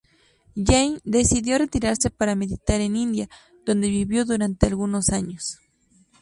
Janne decidió retirarse para meditar en India, donde vivió durante algunos años.